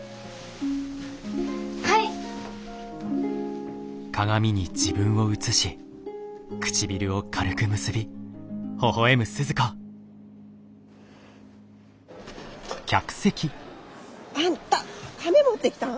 はい！あんたカメ持ってきたん！？